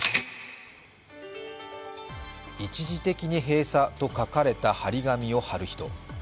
一時的に閉鎖と書かれた貼り紙を貼る人。